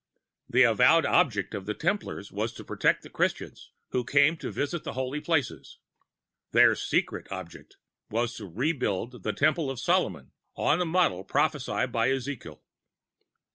The avowed object of the Templars was to protect the Christians who came to visit the Holy Places: their secret object was the re building of the Temple of Solomon on the model prophesied by Ezekiel.